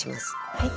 はい。